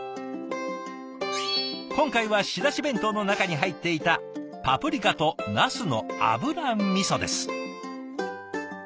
今回は仕出し弁当の中に入っていた「パプリカとなすの油みそ」です。